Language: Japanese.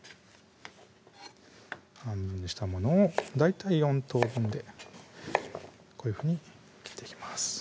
半分にしたものを大体４等分でこういうふうに切っていきます